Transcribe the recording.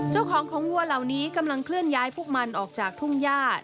เจ้าของของวัวเหล่านี้กำลังเคลื่อนย้ายพวกมันออกจากทุ่งญาติ